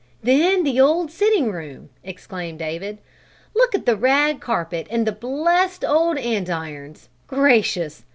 "Then the old sitting room!" exclaimed David. "Look at the rag carpet and the blessed old andirons! Gracious!